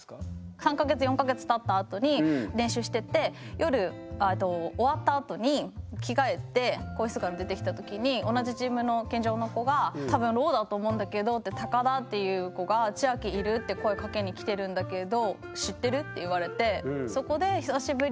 ３か月４か月たったあとに練習してて夜終わったあとに着替えて更衣室から出てきた時に同じチームの健常の子が「多分ろうだと思うんだけど」って「田っていう子が『千明いる？』って声かけに来てるんだけれど知ってる？」って言われてそこで「久しぶり」